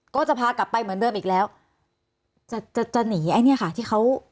ก็จะพากลับไปเหมือนเริ่มอีกแล้วจะหนีไอ้เนี่ยค่ะ